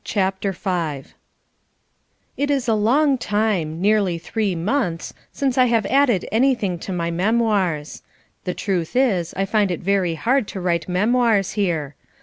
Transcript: CHAPTER V It is a long time nearly three months since I have added anything to my memoirs. The truth is I find it very hard to write memoirs here.